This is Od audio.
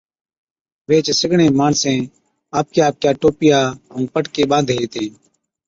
ويھِچ سِگڙين ماڻسين آپڪِيا آپڪِيا ٽوپيا ائُون پٽڪين ٻانڌي ھِتين